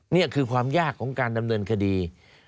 นี่คือความยากของการดำเนินคดี